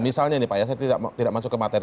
misalnya nih pak ya saya tidak masuk ke materi